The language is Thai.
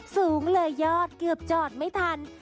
สูงเลยยอดเกือบจอดไม่ทัน